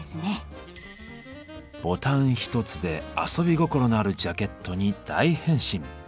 ボタン一つで遊び心のあるジャケットに大変身。